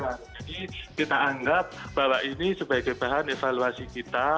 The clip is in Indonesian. jadi kita anggap bahwa ini sebagai bahan evaluasi kita